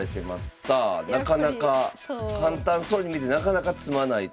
さあなかなか簡単そうに見えてなかなか詰まないという。